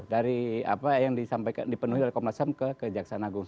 dari apa yang dipenuhi oleh komnas ham ke kejaksaan agung